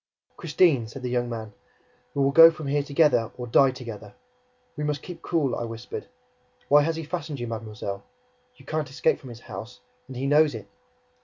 "Christine," said the young man. "We will go from here together or die together!" "We must keep cool," I whispered. "Why has he fastened you, mademoiselle? You can't escape from his house; and he knows it!"